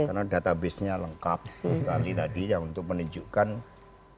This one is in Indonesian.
karena database nya lengkap sekali tadi untuk menunjukkan bahwa sudah lama